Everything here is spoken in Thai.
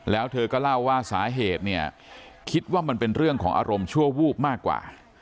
แล้วเธอก็เล่าว่าสาเหตุเนี่ยคิดว่ามันเป็นเรื่องของอารมณ์ชั่ววูบมากกว่า